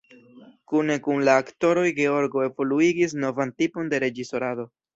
Kune kun la aktoroj Georgo evoluigis novan tipon de reĝisorado.